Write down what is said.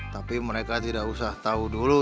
tapi mereka tidak usah tahu dulu